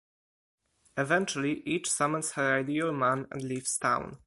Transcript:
Eventually, each summons her ideal man and leaves town.